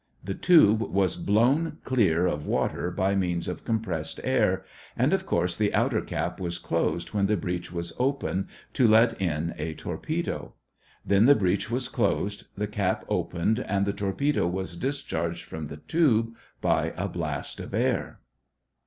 The tube was blown clear of water by means of compressed air, and of course the outer cap was closed when the breech was open to let in a torpedo. Then the breech was closed, the cap opened, and the torpedo was discharged from the tube by a blast of air.